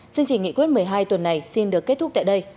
chương trình nghị quyết một mươi hai tuần này xin được kết thúc tại đây